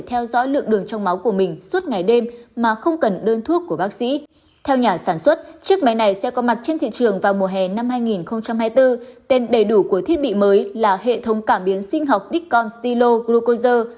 tên đầy đủ của thiết bị mới là hệ thống cảm biến sinh học diccon stylo glucozer